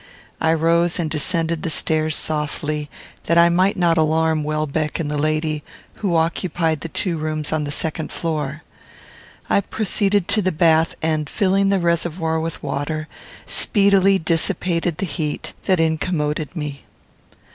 I rose, and descended the stairs softly, that I might not alarm Welbeck and the lady, who occupied the two rooms on the second floor. I proceeded to the bath, and, filling the reservoir with water, speedily dissipated the heat that incommoded me.